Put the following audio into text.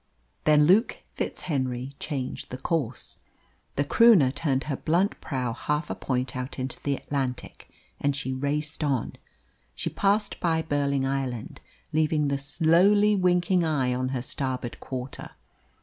Then Luke FitzHenry changed the course. The Croonah turned her blunt prow half a point out into the Atlantic, and she raced on; she passed by Burling Island, leaving the slowly winking eye on her starboard quarter.